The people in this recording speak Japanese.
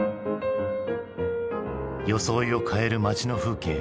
装いを変える街の風景。